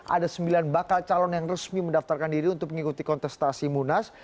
ada sembilan bakal calon yang resmi mendaftarkan diri untuk mengikuti kontestasi munas